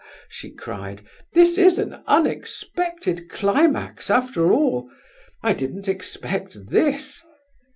she cried, "this is an unexpected climax, after all. I didn't expect this.